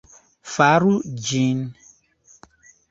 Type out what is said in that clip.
Faru ĝin